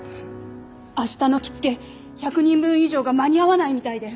あしたの着付け１００人分以上が間に合わないみたいで。